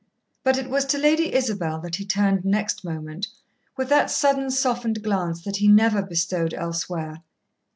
But it was to Lady Isabel that he turned next moment, with that sudden softened glance that he never bestowed elsewhere.